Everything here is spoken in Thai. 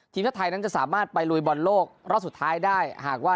ทีมชาติไทยนั้นจะสามารถไปลุยบอลโลกรอบสุดท้ายได้หากว่า